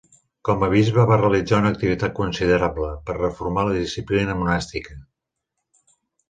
Com a bisbe va realitzar una activitat considerable, per reformar la disciplina monàstica.